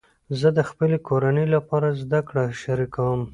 زه د خپلې کورنۍ لپاره زده کړه شریکوم.